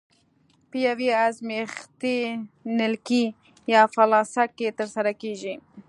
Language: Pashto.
په یوې ازمایښتي نلکې یا فلاسک کې ترسره کیږي.